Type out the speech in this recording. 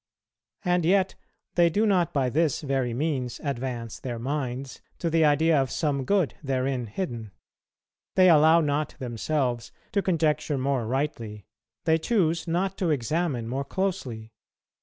And yet they do not by this very means advance their minds to the idea of some good therein hidden; they allow not themselves to conjecture more rightly, they choose not to examine more closely.